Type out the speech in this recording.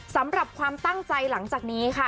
สำหรับความตั้งใจหลังจากนี้ค่ะ